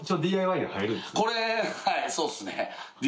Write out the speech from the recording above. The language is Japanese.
これはいそうっすね。